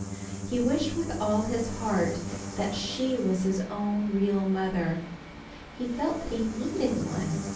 He wished with all his heart that she was his own, real mother. He felt that he needed one.